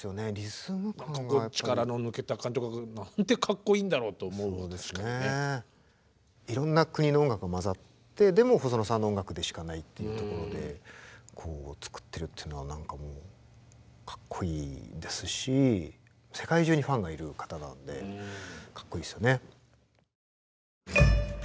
力の抜けた感じとかなんてかっこいいんだろうと思うわ確かにね。っていうところで作ってるっていうのは何かもうかっこいいですし世界中にファンがいる方なんでかっこいいですよね。